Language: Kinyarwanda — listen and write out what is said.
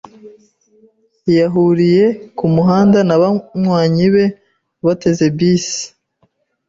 Yahuriye ku muhanda na banywanyi be bateze bisi.